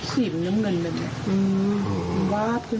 สิ้นน้ำเงิน